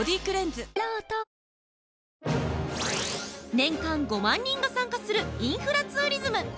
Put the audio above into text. ◆年間５万人が参加するインフラツーリズム。